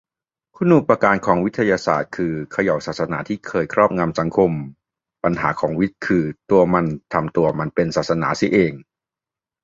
คุณูปการของวิทยาศาสตร์คือ เขย่าศาสนาที่เคยครอบงำสังคม - ปัญหาของวิทย์คือตัวมันทำตัวเป็นศาสนาเสียเอง